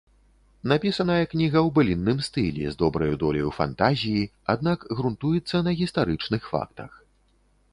Напісаная кніга ў былінным стылі, з добраю доляю фантазіі, аднак грунтуецца на гістарычных фактах.